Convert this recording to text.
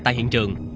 tại hiện trường